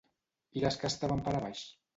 I les que estaven per a baix?